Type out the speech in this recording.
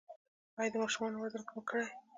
ایا د ماشومانو وزن مو کړی؟